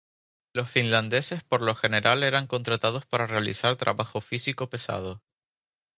Los finlandeses por lo general eran contratados para realizar trabajo físico pesado.